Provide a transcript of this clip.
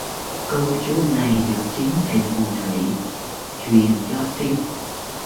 Câu chú này được chính thầy phù thủy chuyền cho Trinh